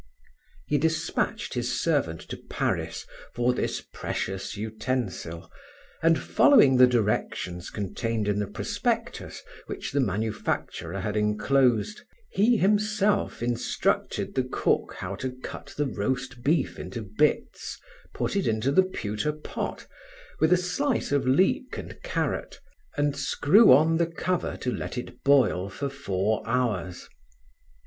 He dispatched his servant to Paris for this precious utensil, and following the directions contained in the prospectus which the manufacturer had enclosed, he himself instructed the cook how to cut the roast beef into bits, put it into the pewter pot, with a slice of leek and carrot, and screw on the cover to let it boil for four hours.